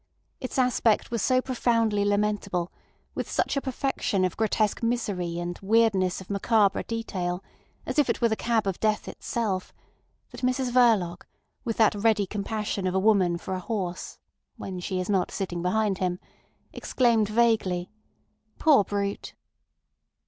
Its aspect was so profoundly lamentable, with such a perfection of grotesque misery and weirdness of macabre detail, as if it were the Cab of Death itself, that Mrs Verloc, with that ready compassion of a woman for a horse (when she is not sitting behind him), exclaimed vaguely: "Poor brute!"